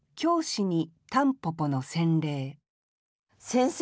先生